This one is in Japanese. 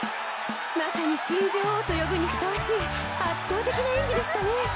まさに新女王と呼ぶにふさ圧倒的な演技でしたね。